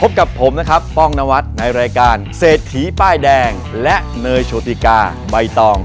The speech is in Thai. พบกับผมนะครับป้องนวัดในรายการเศรษฐีป้ายแดงและเนยโชติกาใบตอง